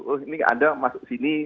oh ini anda masuk ke sini